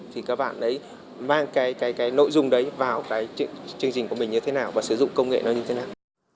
thì các bạn ấy mang cái nội dung đấy vào cái chương trình của mình như thế nào và sử dụng công nghệ nó như thế nào